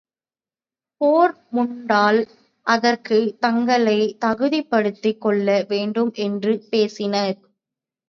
போர் மூண்டால் அதற்குத் தங்களைத் தகுதிப்படுத்திக் கொள்ள வேண்டும் என்று பேசினர்.